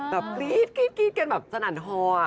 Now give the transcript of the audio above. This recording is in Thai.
แบบกรี๊ดเกินแบบสนั่นทอ